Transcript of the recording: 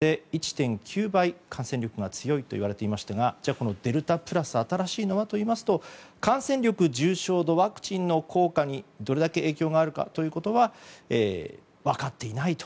デルタ型というのは従来株に比べて１．９倍、感染力が強いといわれていましたがこのデルタプラス新しいのはといいますと感染力、重症度ワクチンの効果にどれだけ影響が出るかについては分かっていないと。